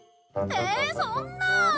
ええそんな！